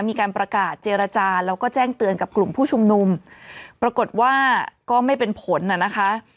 มีการประกาศเจรจาแล้วก็แจ้งเตือนกับกลุ่มผู้ชุมนุมปรากฏว่าก็ไม่เป็นผลน่ะนะคะ